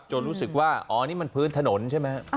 รู้สึกว่าอ๋อนี่มันพื้นถนนใช่ไหม